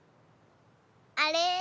あれ？